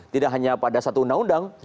tidak hanya pada satu undang undang